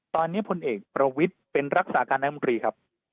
ตอนนี้พลเอกประวิทย์เป็นรักษาการนายมนตรีครับ